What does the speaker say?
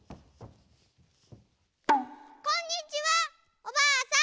こんにちはおばあさん。